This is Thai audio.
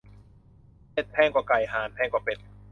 เป็ดแพงกว่าไก่ ห่านแพงกว่าเป็ด